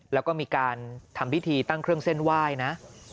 แล้วก็มีการทำพิธีตั้งเครื่องเส้นไหว้นะ